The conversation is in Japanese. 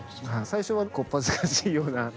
最初はこっぱずかしいような。